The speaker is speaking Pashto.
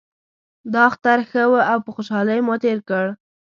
دا اختر ښه و او په خوشحالۍ مو تیر کړ